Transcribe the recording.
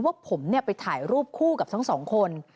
ว่าผมไปถ่ายรูปคู่กับทั้งสองคน